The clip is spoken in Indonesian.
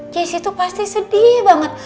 case itu pasti sedih banget